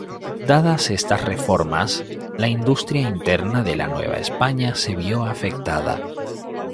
Dadas estas reformas, la industria interna de la Nueva España se vio afectada.